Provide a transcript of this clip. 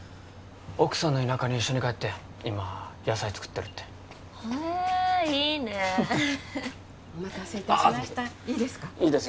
奥さんの田舎に一緒に帰って今野菜作ってるってへえいいねお待たせいたしましたいいですかいいですよ